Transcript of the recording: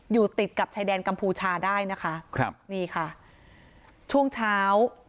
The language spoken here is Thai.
อยู่ติดกับชายแดนกัมพูชาได้นะคะครับนี่ค่ะช่วงเช้า